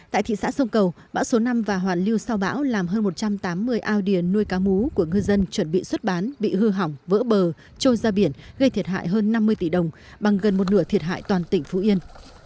tại thị xã sông cầu bão số năm và hoàn lưu sau bão làm hơn một trăm tám mươi ao điền nuôi cá mú của ngư dân chuẩn bị xuất bán bị hư hỏng vỡ bờ trôi ra biển gây thiệt hại hơn năm mươi tỷ đồng bằng gần một nửa thiệt hại toàn tỉnh phú yên